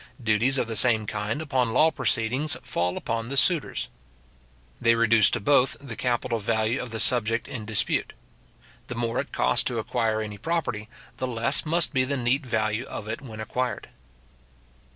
Duties of the same kind upon law proceedings fall upon the suitors. They reduce to both the capital value of the subject in dispute. The more it costs to acquire any property, the less must be the neat value of it when acquired.